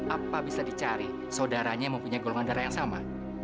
apa bisa dicari saudaranya yang mempunyai golongan darah yang sama